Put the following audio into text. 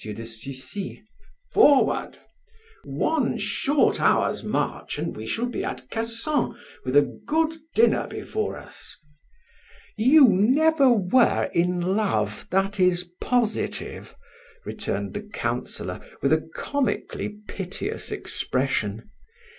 de Sucy, "forward! One short hour's march, and we shall be at Cassan with a good dinner before us." "You never were in love, that is positive," returned the Councillor, with a comically piteous expression.